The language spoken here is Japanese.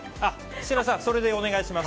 設楽さん、それでお願いします。